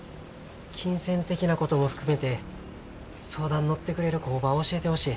金銭的なことも含めて相談乗ってくれる工場教えてほしい。